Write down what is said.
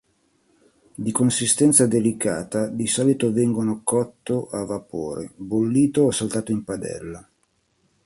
Di consistenza delicata, di solito vengono cotto a vapore, bollito o saltato in padella.